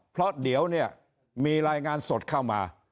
เพราะเดี๋ยวเนี่ยมีรายงานสดเข้ามา